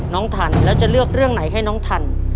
ทันแล้วจะเลือกเรื่องไหนให้น้องทัน